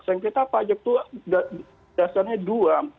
sengketa pajak itu dasarnya dua